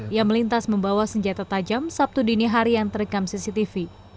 ia melintas membawa senjata tajam sabtu dini hari yang terekam cctv